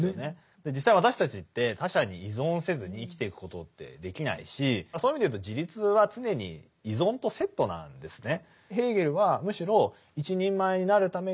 実際私たちって他者に依存せずに生きていくことってできないしそういう意味でいうと自立は常に依存とセットなんですね。